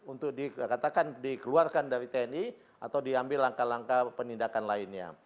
untuk dikatakan dikeluarkan dari tni atau diambil langkah langkah penindakan lainnya